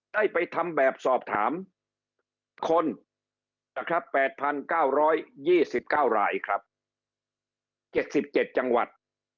ได้ไปทำแบบสอบถามคนนะครับ๘๙๒๙รายครับ๗๗จังหวัด